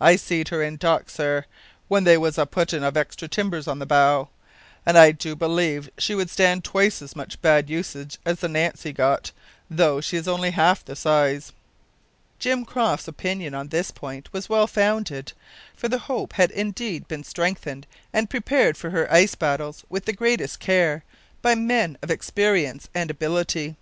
"I seed her in dock, sir, when they was a puttin' of extra timbers on the bow, and I do believe she would stand twice as much bad usage as the Nancy got, though she is only half the size." Jim Croft's opinion on this point was well founded, for the Hope had indeed been strengthened and prepared for her ice battles with the greatest care, by men of experience and ability.